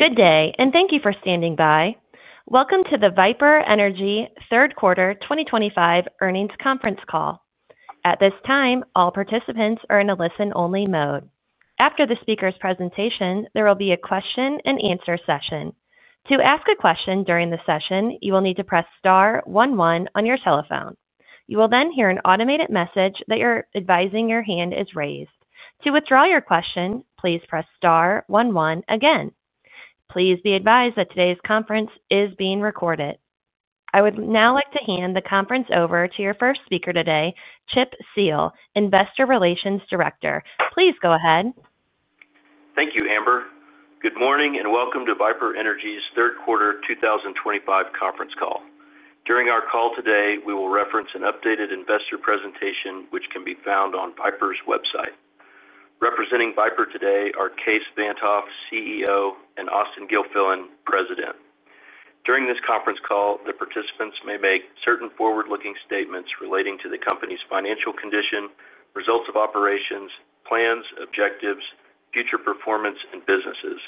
Good day, and thank you for standing by. Welcome to the Viper Energy third quarter 2025 earnings conference call. At this time, all participants are in a listen-only mode. After the speaker's presentation, there will be a question-and-answer session. To ask a question during the session, you will need to press star one-one on your telephone. You will then hear an automated message advising that your hand is raised. To withdraw your question, please press star one-one again. Please be advised that today's conference is being recorded. I would now like to hand the conference over to your first speaker today, Chip Seale, Investor Relations Director. Please go ahead. Thank you, Amber. Good morning and welcome to Viper Energy's third quarter 2025 conference call. During our call today, we will reference an updated investor presentation, which can be found on Viper's website. Representing Viper today are Kaes Van't Hof, CEO, and Austen Gilfillian, President. During this conference call, the participants may make certain forward-looking statements relating to the company's financial condition, results of operations, plans, objectives, future performance, and businesses.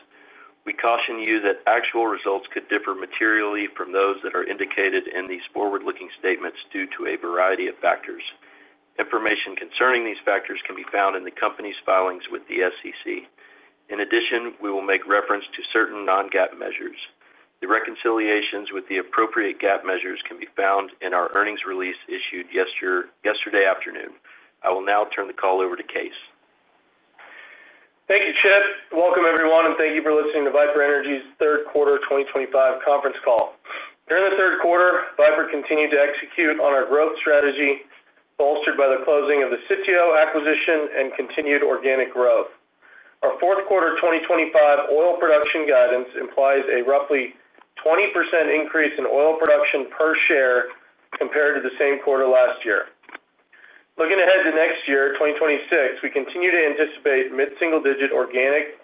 We caution you that actual results could differ materially from those that are indicated in these forward-looking statements due to a variety of factors. Information concerning these factors can be found in the company's filings with the SEC. In addition, we will make reference to certain non-GAAP measures. The reconciliations with the appropriate GAAP measures can be found in our earnings release issued yesterday afternoon. I will now turn the call over to Kaes. Thank you, Chip. Welcome, everyone, and thank you for listening to Viper Energy's third quarter 2025 conference call. During the third quarter, Viper continued to execute on our growth strategy bolstered by the closing of the CTO acquisition and continued organic growth. Our fourth quarter 2025 oil production guidance implies a roughly 20% increase in oil production per share compared to the same quarter last year. Looking ahead to next year, 2026, we continue to anticipate mid-single-digit organic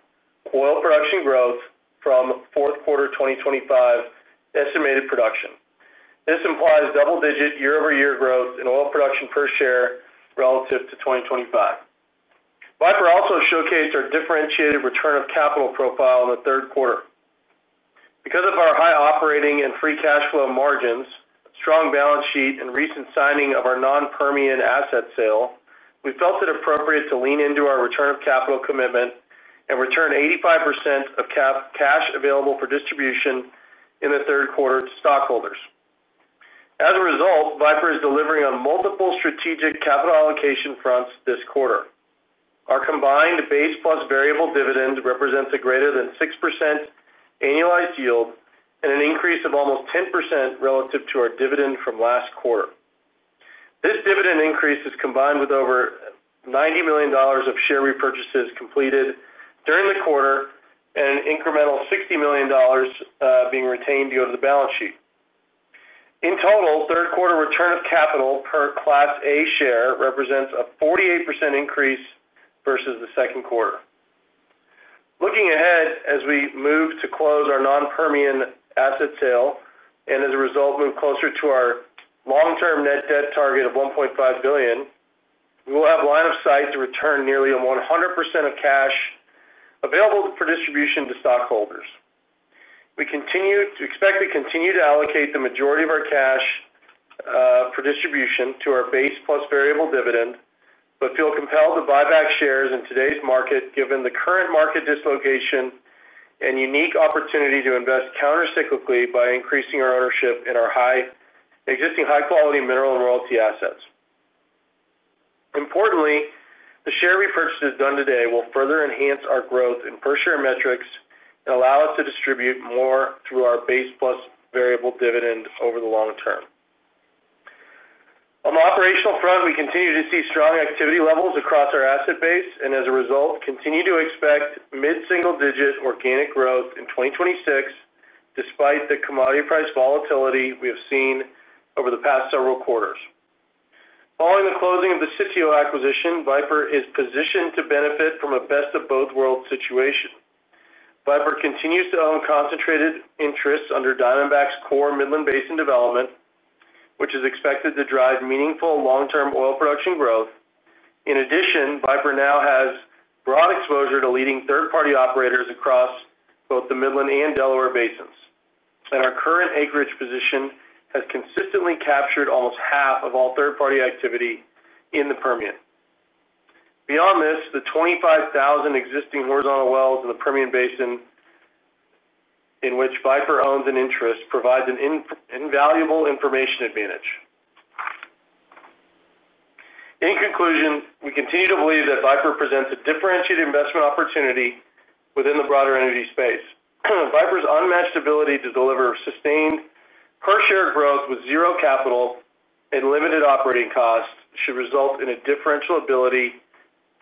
oil production growth from fourth quarter 2025 estimated production. This implies double-digit year-over-year growth in oil production per share relative to 2025. Viper also showcased our differentiated return of capital profile in the third quarter. Because of our high operating and free cash flow margins, strong balance sheet, and recent signing of our non-Permian asset sale, we felt it appropriate to lean into our return of capital commitment and return 85% of cash available for distribution in the third quarter to stockholders. As a result, Viper is delivering on multiple strategic capital allocation fronts this quarter. Our combined base plus variable dividend represents a greater than 6% annualized yield and an increase of almost 10% relative to our dividend from last quarter. This dividend increase is combined with over $90 million of share repurchases completed during the quarter and an incremental $60 million being retained to go to the balance sheet. In total, third quarter return of capital per class A share represents a 48% increase versus the second quarter. Looking ahead as we move to close our non-Permian asset sale and as a result move closer to our long-term net debt target of $1.5 billion, we will have line of sight to return nearly 100% of cash available for distribution to stockholders. We continue to expect to continue to allocate the majority of our cash for distribution to our base plus variable dividend, but feel compelled to buy back shares in today's market given the current market dislocation and unique opportunity to invest countercyclically by increasing our ownership in our existing high-quality mineral and royalty assets. Importantly, the share repurchases done today will further enhance our growth in per share metrics and allow us to distribute more through our base plus variable dividend over the long term. On the operational front, we continue to see strong activity levels across our asset base and as a result continue to expect mid-single-digit organic growth in 2026 despite the commodity price volatility we have seen over the past several quarters. Following the closing of the CTO acquisition, Viper is positioned to benefit from a best of both worlds situation. Viper continues to own concentrated interests under Diamondback's core Midland Basin development, which is expected to drive meaningful long-term oil production growth. In addition, Viper now has broad exposure to leading third-party operators across both the Midland and Delaware basins, and our current acreage position has consistently captured almost half of all third-party activity in the Permian. Beyond this, the 25,000 existing horizontal wells in the Permian Basin in which Viper owns an interest provides an invaluable information advantage. In conclusion, we continue to believe that Viper presents a differentiated investment opportunity within the broader energy space. Viper's unmatched ability to deliver sustained per share growth with zero capital and limited operating costs should result in a differential ability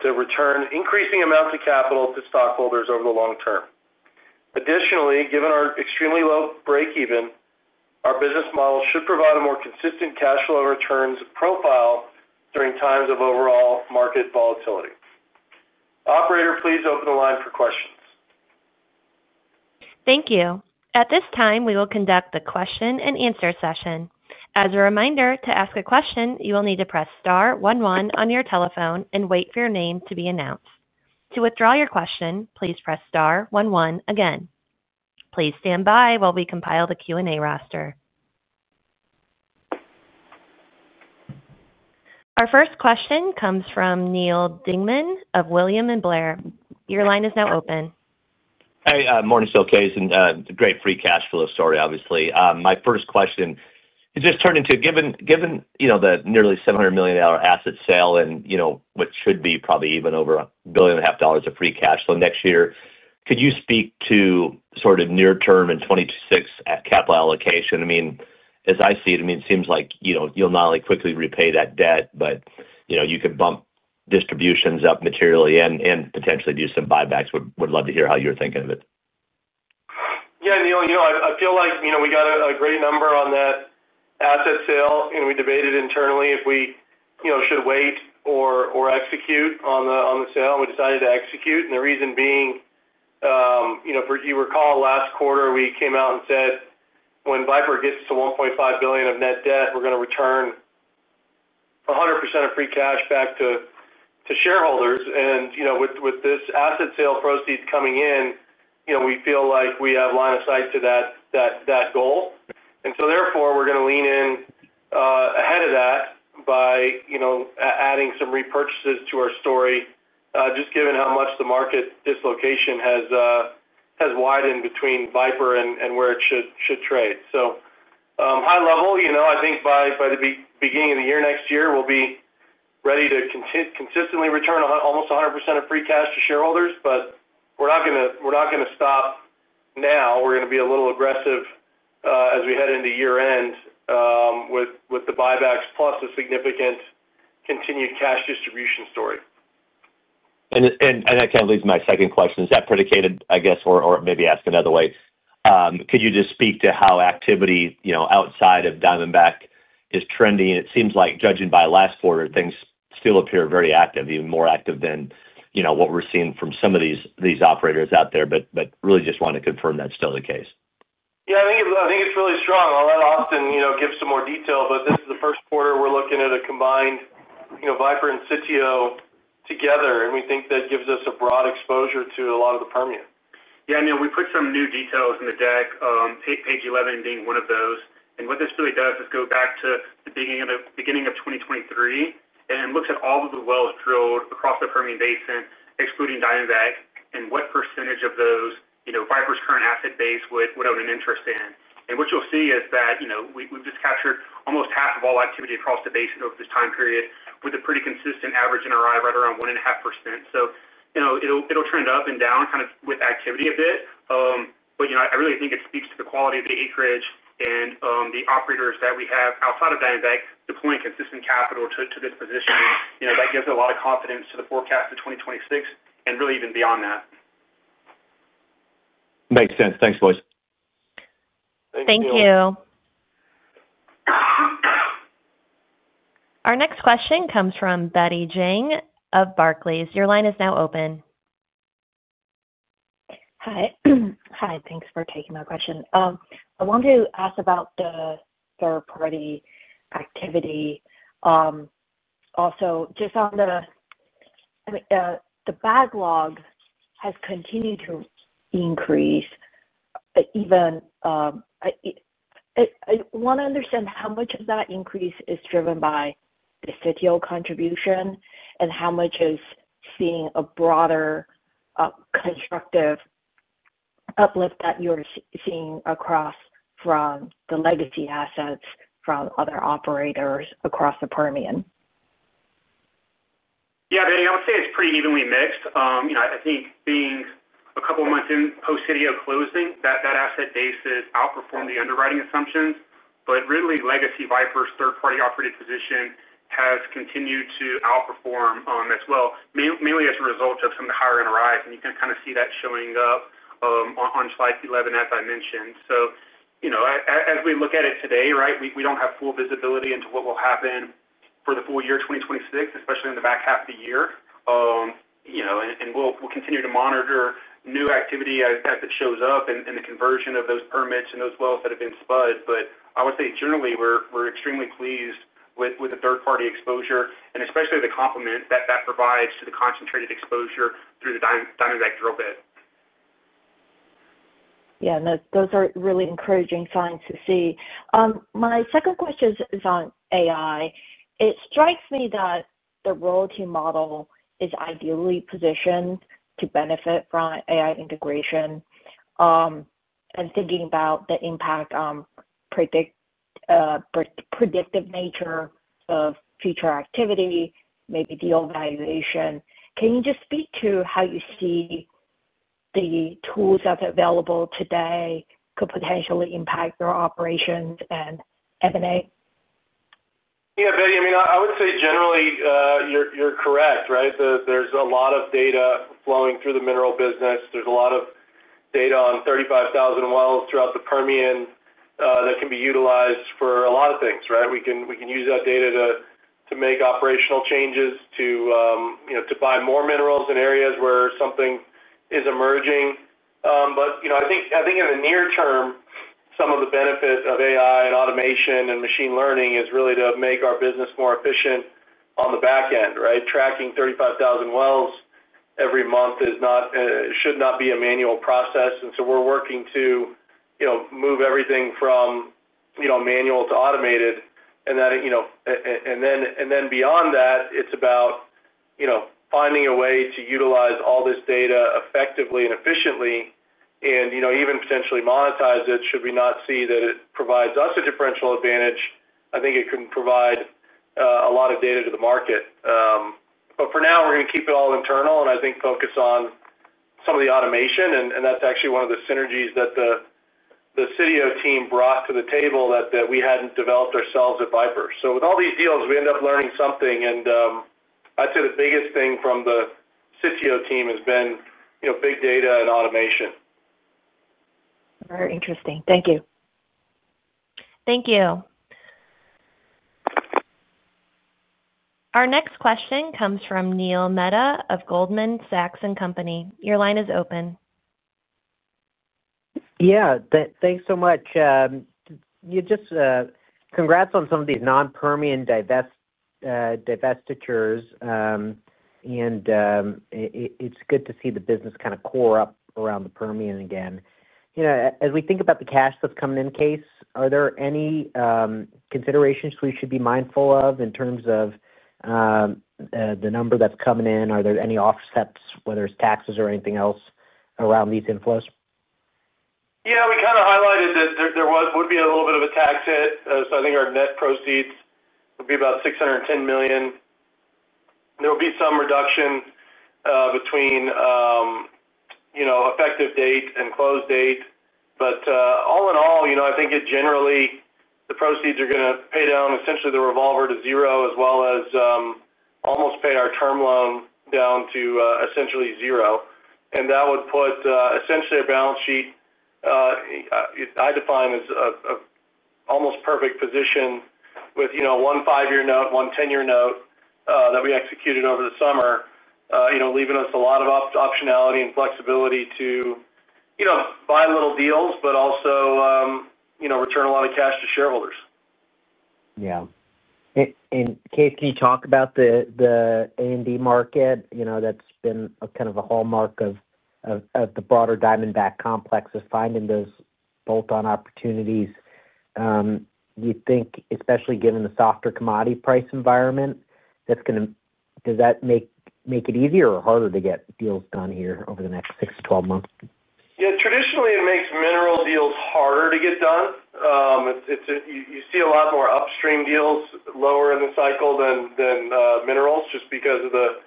to return increasing amounts of capital to stockholders over the long term. Additionally, given our extremely low breakeven, our business model should provide a more consistent cash flow returns profile during times of overall market volatility. Operator, please open the line for questions. Thank you. At this time, we will conduct the question and answer session. As a reminder, to ask a question, you will need to press star one-one on your telephone and wait for your name to be announced. To withdraw your question, please press star one-one again. Please stand by while we compile the Q&A roster. Our first question comes from Neal Dingmann of William Blair. Your line is now open. Hey, morning still, Kaes. Great free cash flow story, obviously. My first question has just turned into, given the nearly $700 million asset sale and what should be probably even over $1.5 billion of free cash flow next year, could you speak to sort of near-term and 2026 capital allocation? I mean, as I see it, it seems like you'll not only quickly repay that debt, but you could bump distributions up materially and potentially do some buybacks. Would love to hear how you're thinking of it. Yeah, Neil, I feel like we got a great number on that asset sale, and we debated internally if we should wait or execute on the sale. We decided to execute, and the reason being, you recall last quarter, we came out and said, "When Viper gets to $1.5 billion of net debt, we're going to return 100% of free cash back to shareholders." And with this asset sale proceeds coming in, we feel like we have line of sight to that goal. And so therefore, we're going to lean in ahead of that by adding some repurchases to our story, just given how much the market dislocation has widened between Viper and where it should trade. So, high level, I think by the beginning of the year next year, we'll be ready to consistently return almost 100% of free cash to shareholders, but we're not going to stop now. We're going to be a little aggressive as we head into year-end with the buybacks, plus a significant continued cash distribution story. That kind of leads to my second question. Is that predicated, I guess, or maybe ask another way? Could you just speak to how activity outside of Diamondback is trending? It seems like, judging by last quarter, things still appear very active, even more active than what we're seeing from some of these operators out there, but really just want to confirm that's still the case. Yeah, I think it's really strong. I'll let Austen give some more detail, but this is the first quarter we're looking at a combined Viper and CTO together, and we think that gives us a broad exposure to a lot of the Permian. Yeah, I mean, we put some new details in the deck, page 11 being one of those. And what this really does is go back to the beginning of 2023 and looks at all of the wells drilled across the Permian Basin, excluding Diamondback, and what percentage of those Viper's current asset base would have an interest in. And what you'll see is that we've just captured almost half of all activity across the basin over this time period with a pretty consistent average NRI right around 1.5%. So it'll trend up and down kind of with activity a bit, but I really think it speaks to the quality of the acreage and the operators that we have outside of Diamondback deploying consistent capital to this position. That gives a lot of confidence to the forecast of 2026 and really even beyond that. Makes sense. Thanks, boys. Thank you. Thank you. Our next question comes from Betty Jiang of Barclays. Your line is now open. Hi. Thanks for taking my question. I wanted to ask about the third-party activity. Also, just on the backlog has continued to increase, but even. I want to understand how much of that increase is driven by the CTO contribution and how much is seeing a broader constructive uplift that you're seeing across the legacy assets from other operators across the Permian. Yeah, Betty, I would say it's pretty evenly mixed. I think being a couple of months in post-CTO closing, that asset base has outperformed the underwriting assumptions, but really legacy Viper's third-party operator position has continued to outperform as well, mainly as a result of some of the higher NRIs, and you can kind of see that showing up. On slide 11, as I mentioned. So. As we look at it today, right, we don't have full visibility into what will happen for the full year 2026, especially in the back half of the year, and we'll continue to monitor new activity as it shows up and the conversion of those permits and those wells that have been spud, but I would say generally we're extremely pleased with the third-party exposure and especially the complement that that provides to the concentrated exposure through the Diamondback drill bit. Yeah, those are really encouraging signs to see. My second question is on AI. It strikes me that the royalty model is ideally positioned to benefit from AI integration. And thinking about the impact on the predictive nature of future activity, maybe deal valuation, can you just speak to how you see the tools that's available today could potentially impact your operations and M&A? Yeah, Betty, I mean, I would say generally you're correct, right? There's a lot of data flowing through the mineral business. There's a lot of data on 35,000 wells throughout the Permian that can be utilized for a lot of things, right? We can use that data to make operational changes, to buy more minerals in areas where something is emerging. But I think in the near term, some of the benefit of AI and automation and machine learning is really to make our business more efficient on the back end, right? Tracking 35,000 wells every month should not be a manual process. And so we're working to move everything from manual to automated. And then beyond that, it's about finding a way to utilize all this data effectively and efficiently and even potentially monetize it. Should we not see that it provides us a differential advantage? I think it can provide a lot of data to the market. But for now, we're going to keep it all internal, and I think focus on some of the automation. And that's actually one of the synergies that the CTO team brought to the table that we hadn't developed ourselves at Viper. So with all these deals, we end up learning something. And I'd say the biggest thing from the CTO team has been big data and automation. Very interesting. Thank you. Thank you. Our next question comes from Neil Mehta of Goldman Sachs & Company. Your line is open. Yeah, thanks so much. Just congrats on some of the non-Permian divestitures. And it's good to see the business kind of core up around the Permian again. As we think about the cash that's coming in, Kaes, are there any considerations we should be mindful of in terms of the number that's coming in? Are there any offsets, whether it's taxes or anything else, around these inflows? Yeah, we kind of highlighted that there would be a little bit of a tax hit. So I think our net proceeds would be about $610 million. There will be some reduction between effective date and close date. But all in all, I think generally the proceeds are going to pay down essentially the revolver to zero, as well as almost pay our term loan down to essentially zero. And that would put essentially a balance sheet I define as an almost perfect position with one 5-year note, one 10-year note that we executed over the summer, leaving us a lot of optionality and flexibility to buy little deals, but also return a lot of cash to shareholders. Yeah. And Kaes, can you talk about the A&D market? That's been kind of a hallmark of the broader Diamondback complex, finding those bolt-on opportunities. You think, especially given the softer commodity price environment, that's going to-does that make it easier or harder to get deals done here over the next 6-12 months? Yeah, traditionally, it makes mineral deals harder to get done. You see a lot more upstream deals lower in the cycle than minerals just because of the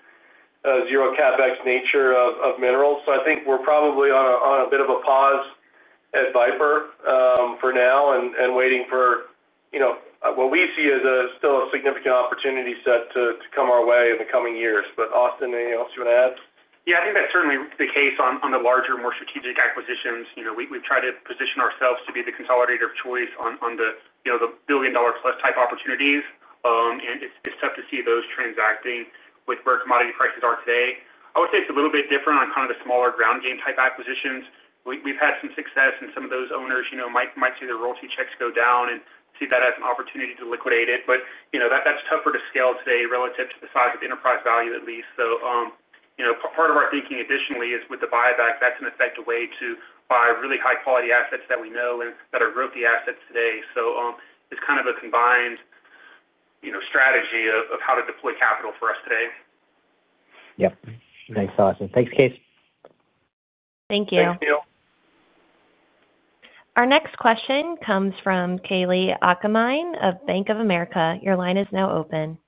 zero CapEx nature of minerals. So I think we're probably on a bit of a pause at Viper for now and waiting for what we see as still a significant opportunity set to come our way in the coming years. But Austen, anything else you want to add? Yeah, I think that's certainly the case on the larger, more strategic acquisitions. We've tried to position ourselves to be the consolidator of choice on the billion-dollar-plus type opportunities. And it's tough to see those transacting with where commodity prices are today. I would say it's a little bit different on kind of the smaller ground game type acquisitions. We've had some success, and some of those owners might see their royalty checks go down and see that as an opportunity to liquidate it. But that's tougher to scale today relative to the size of enterprise value, at least. So part of our thinking additionally is with the buyback, that's an effective way to buy really high-quality assets that we know and that are worth the assets today. So it's kind of a combined strategy of how to deploy capital for us today. Yep. Thanks, Austen. Thanks, Kaes. Thank you. Thanks, Neil. Our next question comes from Kalei Akamine of Bank of America. Your line is now open.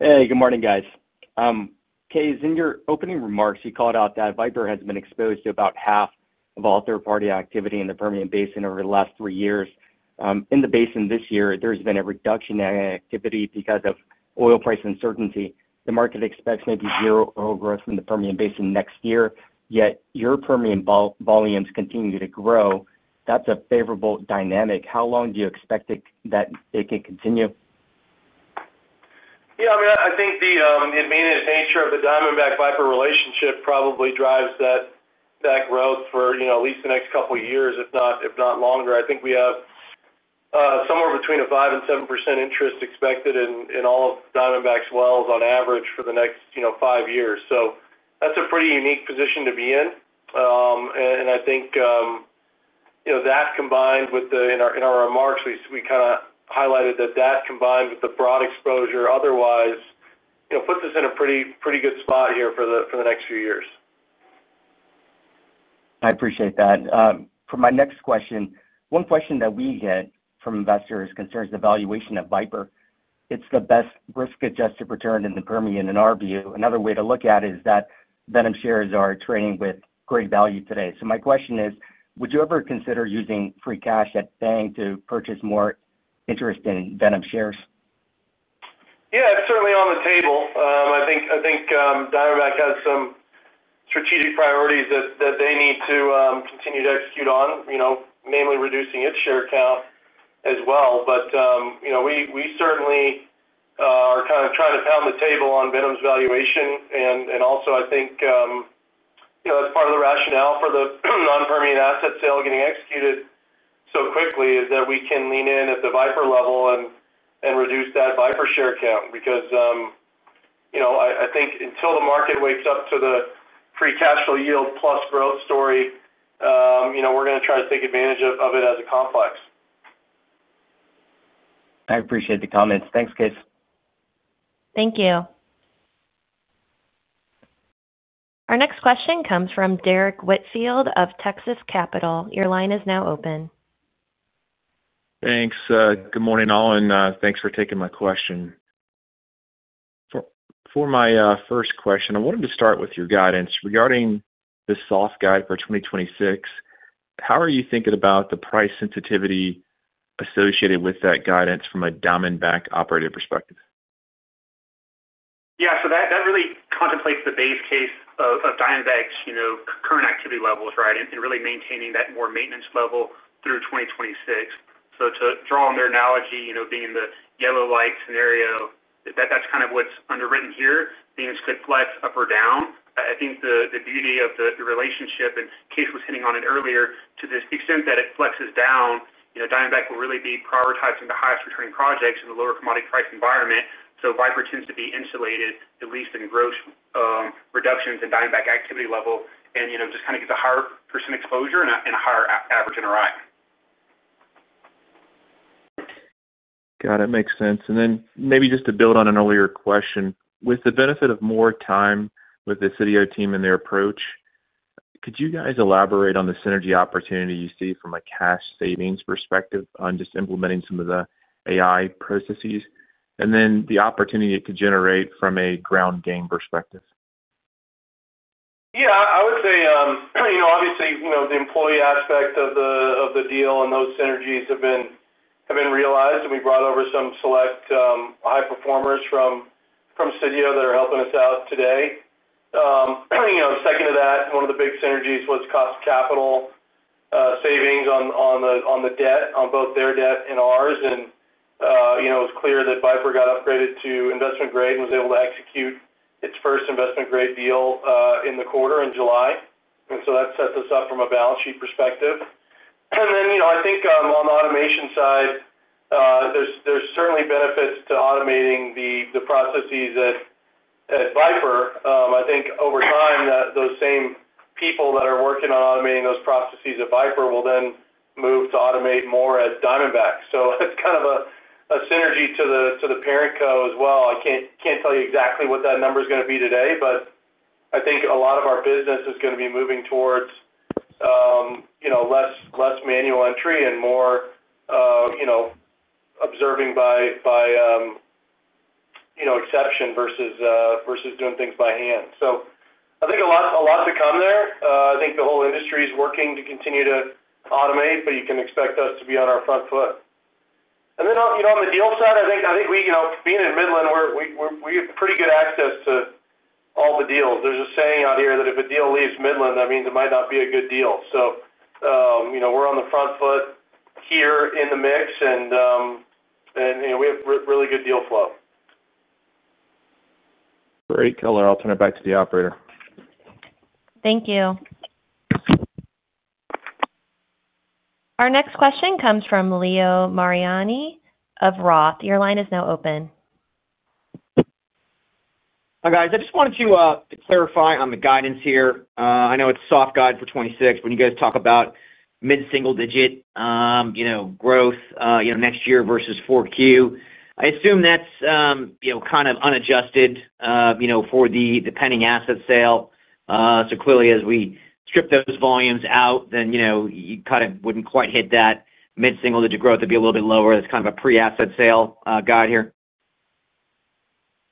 Hey, good morning, guys. Kaes van't Hof, in your opening remarks, you called out that Viper has been exposed to about half of all third-party activity in the Permian Basin over the last three years. In the basin this year, there has been a reduction in activity because of oil price uncertainty. The market expects maybe zero oil growth in the Permian Basin next year, yet your Permian volumes continue to grow. That's a favorable dynamic. How long do you expect that it can continue? Yeah, I mean, I think the advantage nature of the Diamondback-Viper relationship probably drives that. Growth for at least the next couple of years, if not longer. I think we have somewhere between a 5% and 7% interest expected in all of Diamondback's wells on average for the next five years. So that's a pretty unique position to be in. And I think that combined with the, in our remarks, we kind of highlighted that that combined with the broad exposure otherwise puts us in a pretty good spot here for the next few years. I appreciate that. For my next question, one question that we get from investors concerns the valuation of Viper. It's the best risk-adjusted return in the Permian, in our view. Another way to look at it is that VNOM shares are trading with great value today. So my question is, would you ever consider using free cash at FANG to purchase more interest in VNOM shares? Yeah, it's certainly on the table. I think Diamondback has some strategic priorities that they need to continue to execute on, mainly reducing its share count as well. But we certainly are kind of trying to pound the table on Viper's valuation. And also, I think that's part of the rationale for the non-Permian asset sale getting executed so quickly is that we can lean in at the Viper level and reduce that Viper share count because I think until the market wakes up to the free cash flow yield plus growth story, we're going to try to take advantage of it as a complex. I appreciate the comments. Thanks, Kaes. Thank you. Our next question comes from Derrick Whitfield of Texas Capital. Your line is now open. Thanks. Good morning, Alan. Thanks for taking my question. For my first question, I wanted to start with your guidance regarding the soft guide for 2026. How are you thinking about the price sensitivity associated with that guidance from a Diamondback operator perspective? Yeah, so that really contemplates the base case of Diamondback's current activity levels, right, and really maintaining that more maintenance level through 2026. So to draw on their analogy, being in the yellow light scenario, that's kind of what's underwritten here. Things could flex up or down. I think the beauty of the relationship, and Kaes was hitting on it earlier, to the extent that it flexes down, Diamondback will really be prioritizing the highest returning projects in the lower commodity price environment. So Viper tends to be insulated, at least in gross reductions in Diamondback activity level, and just kind of gets a higher percent exposure and a higher average NRI. Got it. Makes sense. And then, maybe just to build on an earlier question with the benefit of more time with the CTO team and their approach, could you guys elaborate on the synergy opportunity you see from a cash savings perspective on just implementing some of the AI processes? And then the opportunity to generate from a ground game perspective? Yeah, I would say obviously the employee aspect of the deal and those synergies have been realized, and we brought over some select high performers from CTO that are helping us out today. Second to that, one of the big synergies was cost of capital savings on the debt, on both their debt and ours. It was clear that Viper got upgraded to investment grade and was able to execute its first investment grade deal in the quarter in July. And so that sets us up from a balance sheet perspective. Then I think on the automation side, there's certainly benefits to automating the processes at Viper. I think over time, those same people that are working on automating those processes at Viper will then move to automate more at Diamondback. So it's kind of a synergy to the parent company as well. I can't tell you exactly what that number is going to be today, but I think a lot of our business is going to be moving towards less manual entry and more observing by exception versus doing things by hand. So I think a lot to come there. I think the whole industry is working to continue to automate, but you can expect us to be on our front foot. Then on the deal side, I think being in Midland, we have pretty good access to all the deals. There's a saying out here that if a deal leaves Midland, that means it might not be a good deal. So we're on the front foot here in the mix, and we have really good deal flow. Great color. I'll turn it back to the operator. Thank you. Our next question comes from Leo Mariani of Roth. Your line is now open. Hi, guys. I just wanted to clarify on the guidance here. I know it's soft guide for 2026, but when you guys talk about mid-single digit growth next year versus 4Q, I assume that's kind of unadjusted for the pending asset sale. So clearly, as we strip those volumes out, then you kind of wouldn't quite hit that mid-single digit growth. It'd be a little bit lower. That's kind of a pre-asset sale guide here.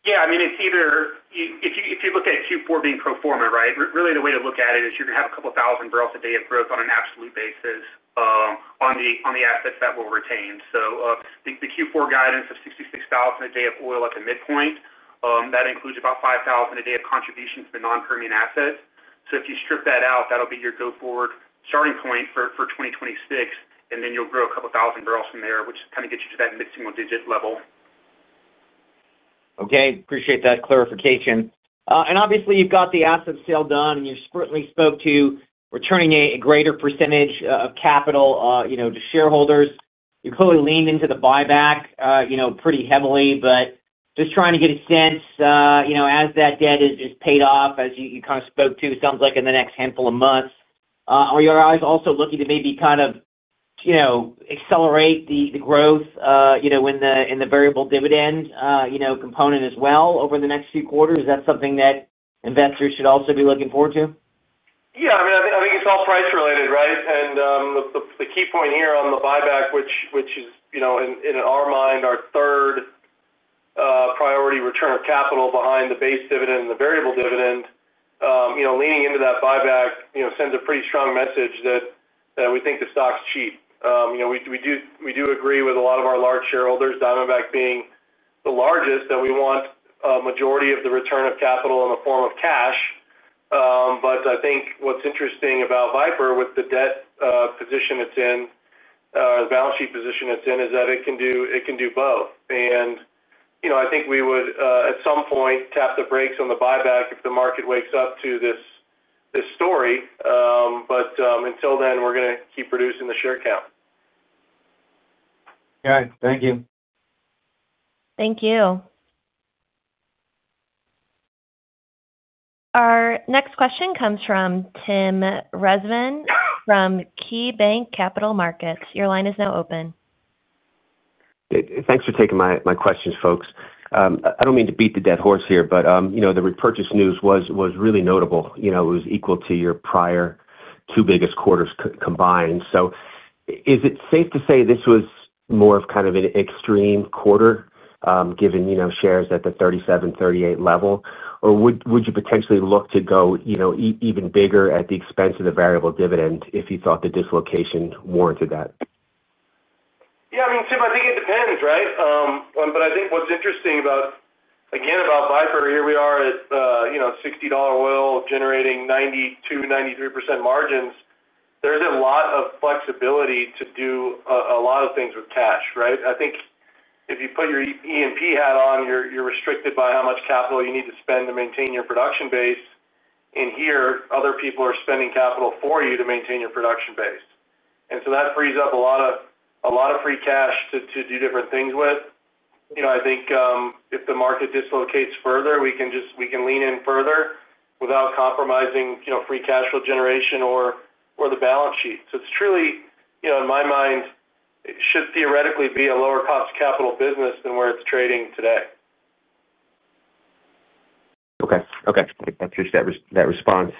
Yeah, I mean, it's either if you look at Q4 being pro forma, right, really the way to look at it is you're going to have a couple thousand barrels a day of growth on an absolute basis on the assets that we'll retain. So the Q4 guidance of 66,000 barrels a day of oil at the midpoint, that includes about 5,000 barrels a day of contributions to the non-Permian assets. So if you strip that out, that'll be your go-forward starting point for 2026, and then you'll grow a couple thousand barrels from there, which kind of gets you to that mid-single digit level. Okay. Appreciate that clarification. And obviously, you've got the asset sale done, and you certainly spoke to returning a greater percentage of capital to shareholders. You clearly leaned into the buyback pretty heavily, but just trying to get a sense as that debt is paid off, as you kind of spoke to, it sounds like, in the next handful of months. Are you guys also looking to maybe kind of accelerate the growth in the variable dividend component as well over the next few quarters? Is that something that investors should also be looking forward to? Yeah, I mean, I think it's all price-related, right? And the key point here on the buyback, which is, in our mind, our third priority return of capital behind the base dividend and the variable dividend, leaning into that buyback sends a pretty strong message that we think the stock's cheap. We do agree with a lot of our large shareholders, Diamondback being the largest, that we want a majority of the return of capital in the form of cash. But I think what's interesting about Viper, with the debt position it's in, or the balance sheet position it's in, is that it can do both. And I think we would, at some point, tap the brakes on the buyback if the market wakes up to this story. But until then, we're going to keep reducing the share count. All right. Thank you. Thank you. Our next question comes from Tim Rezvan from KeyBanc Capital Markets. Your line is now open. Thanks for taking my questions, folks. I don't mean to beat the dead horse here, but the repurchase news was really notable. It was equal to your prior two biggest quarters combined. So is it safe to say this was more of kind of an extreme quarter given shares at the 37, 38 level? Or would you potentially look to go even bigger at the expense of the variable dividend if you thought the dislocation warranted that? Yeah, I mean, Tim, I think it depends, right? But I think what's interesting about, again, about Viper, here we are at $60 oil generating 92%-93% margins. There's a lot of flexibility to do a lot of things with cash, right? I think if you put your E&P hat on, you're restricted by how much capital you need to spend to maintain your production base. And here, other people are spending capital for you to maintain your production base. And so that frees up a lot of free cash to do different things with. I think if the market dislocates further, we can lean in further without compromising free cash flow generation or the balance sheet. So it's truly, in my mind, it should theoretically be a lower-cost capital business than where it's trading today. Okay. Okay. I appreciate that response.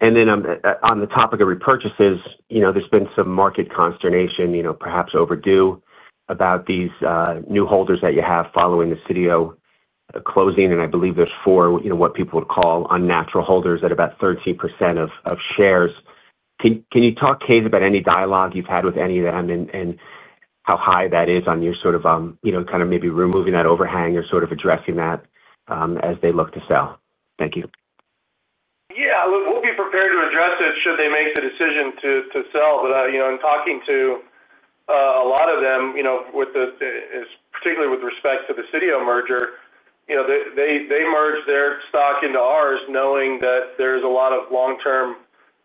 And then on the topic of repurchases, there's been some market consternation, perhaps overdue, about these new holders that you have following the CTO closing. And I believe there's four, what people would call unnatural holders at about 13% of shares. Can you talk, Kaes, about any dialogue you've had with any of them and how high that is on your sort of kind of maybe removing that overhang or sort of addressing that as they look to sell? Thank you. Yeah, we'll be prepared to address it should they make the decision to sell. But in talking to a lot of them, particularly with respect to the CTO merger, they merged their stock into ours knowing that there is a lot of long-term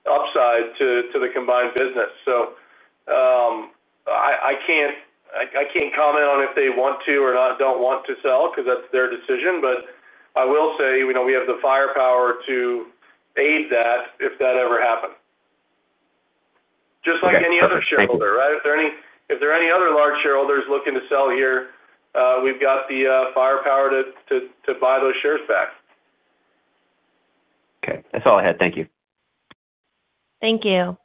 upside to the combined business. So I can't comment on if they want to or don't want to sell because that's their decision. But I will say we have the firepower to aid that if that ever happened. Just like any other shareholder, right? If there are any other large shareholders looking to sell here, we've got the firepower to buy those shares back. Okay. That's all I had. Thank you. Thank you.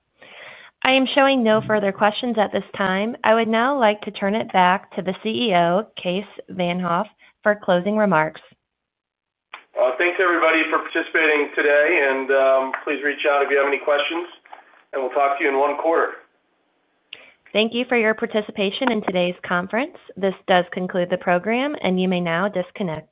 I am showing no further questions at this time. I would now like to turn it back to the CEO, Kaes van't Hof, for closing remarks. Thanks, everybody, for participating today. And please reach out if you have any questions, and we'll talk to you in one quarter. Thank you for your participation in today's conference. This does conclude the program, and you may now disconnect.